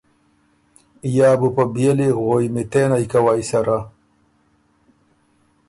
یا بُو په بيېلی غوئمیتېنئ کوئ سره۔